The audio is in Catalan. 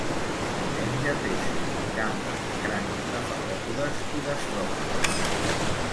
Menja peixos, gambes, crancs, cefalòpodes i gastròpodes.